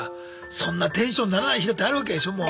そんなテンションにならない日だってあるわけでしょもう。